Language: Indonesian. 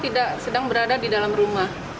tidak sedang berada di dalam rumah